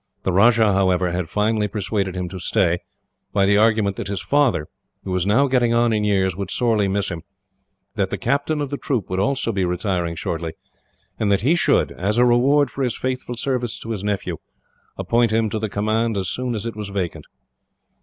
The Rajah, however, had finally persuaded him to stay, by the argument that his father, who was now getting on in years, would sorely miss him; that the captain of the troop would also be retiring shortly; and that he should, as a reward for his faithful services to his nephew, appoint him to the command as soon as it was vacant.